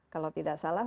kalau tidak salah